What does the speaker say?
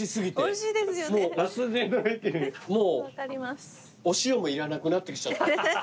もうお塩もいらなくなってきちゃった。